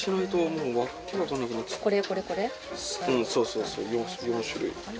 うんそうそう４種類。